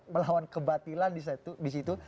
melawan kebatilan di situ